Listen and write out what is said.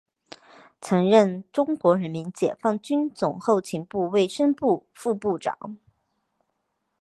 曾任中国人民解放军总后勤部卫生部副部长。